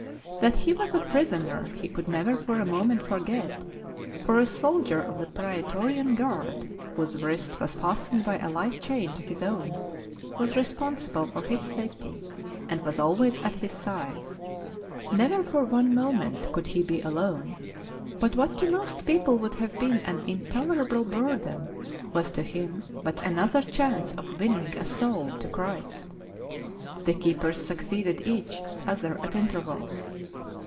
That he was a prisoner he could never for a moment forget, for a soldier of the Praetorian Guard, whose wrist was fastened by a light cham to his own, was responsible for his safety, and was always at his side. Never for one moment could he be alone; but what to most people would have been an intolerable burden was to him but another chance of winning a soul to Christ. The keepers suc ceeded each other at intervals.